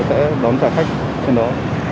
thì sẽ đón trả khách trên đó